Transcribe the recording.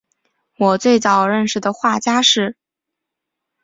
我最早认识的画家是